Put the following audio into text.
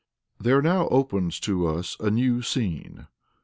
} There now opens to us a new scene.